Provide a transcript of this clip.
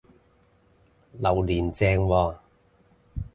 榴槤正喎！